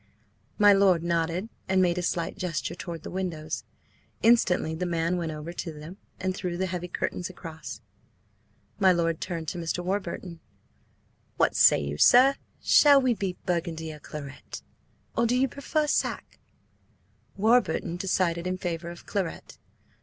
My lord nodded, and made a slight gesture toward the windows. Instantly the man went over to them and drew the heavy curtains across. My lord turned to Mr. Warburton. "What say you, sir? Shall it be burgundy or claret, or do you prefer sack?" Warburton decided in favour of claret.